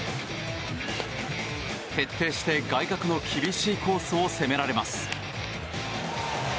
徹底して外角の厳しいコースを攻められます。